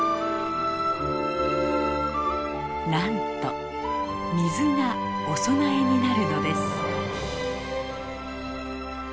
なんと水がお供えになるのです。